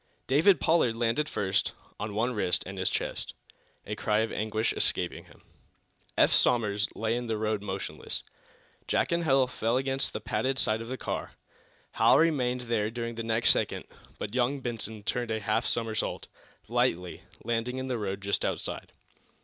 David Pollard landed first, on one wrist and his chest, a cry of anguish escaping him. Eph Somers lay in the road motionless. Jack and Hal fell against the padded side of the car. Hal remained there during the next second, but young Benson turned a half somersault, lightly, landing in the road just outside.